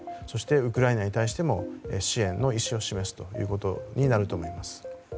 そしてウクライナに対しても支援の意思を示すということになると思います。